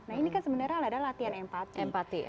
nah ini kan sebenarnya adalah latihan empati ya